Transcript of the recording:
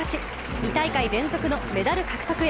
２大会連続のメダル獲得へ、